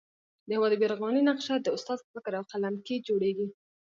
د هېواد د بیارغونې نقشه د استاد په فکر او قلم کي جوړېږي.